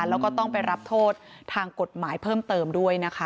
แล้วก็ต้องไปรับโทษทางกฎหมายเพิ่มเติมด้วยนะคะ